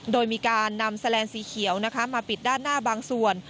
โดยมีการนำแลนสีเขียวนะคะมาปิดด้านหน้าบางส่วน